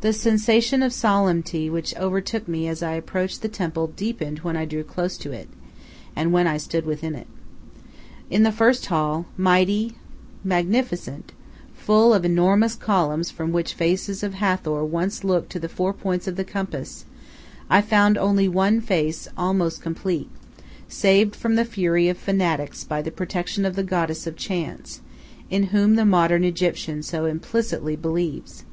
The sensation of solemnity which overtook me as I approached the temple deepened when I drew close to it, when I stood within it. In the first hall, mighty, magnificent, full of enormous columns from which faces of Hathor once looked to the four points of the compass, I found only one face almost complete, saved from the fury of fanatics by the protection of the goddess of chance, in whom the modern Egyptian so implicitly believes.